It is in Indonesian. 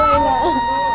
semangat ya bu